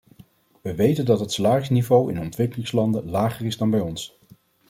We weten dat het salarisniveau in ontwikkelingslanden lager is dan bij ons.